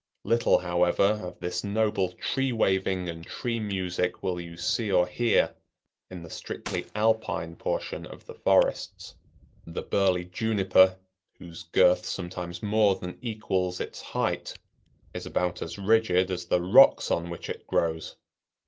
Little, however, of this noble tree waving and tree music will you see or hear in the strictly alpine portion of the forests. The burly Juniper, whose girth sometimes more than equals its height, is about as rigid as the rocks on which it grows.